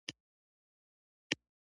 صدیق الله پوپل صاحب راغی.